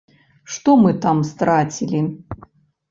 Што мы там страцілі?